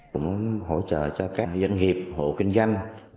cũng hỗ trợ cho các doanh nghiệp hộ kinh doanh